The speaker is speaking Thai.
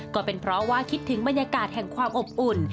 ก็เป็นเพราะว่าคิดถึงบรรยากาศแห่งความอบอุ่น